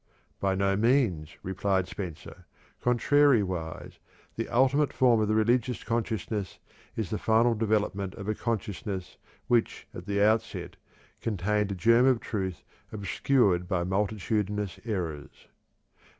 'By no means,' replied Spencer. 'Contrariwise, the ultimate form of the religious consciousness is the final development of a consciousness which at the outset contained a germ of truth obscured by multitudinous errors.'"